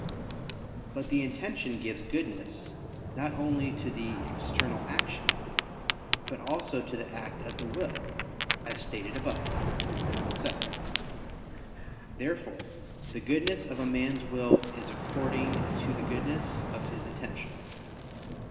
But the intention gives goodness not only to the external action, but also to the act of the will, as stated above (A. 7). Therefore the goodness of a man's will is according to the goodness of his intention.